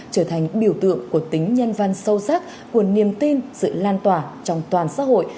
trở thành biểu tượng của tính nhân văn sâu sắc của niềm tin sự lan tỏa trong toàn xã hội